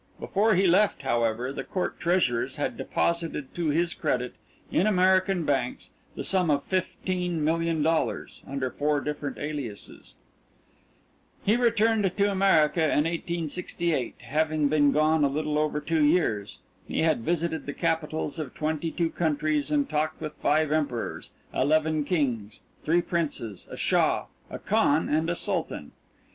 Before he left, however, the Court Treasurers had deposited to his credit, in American banks, the sum of fifteen million dollars under four different aliases. He returned to America in 1868, having been gone a little over two years. He had visited the capitals of twenty two countries and talked with five emperors, eleven kings, three princes, a shah, a khan, and a sultan.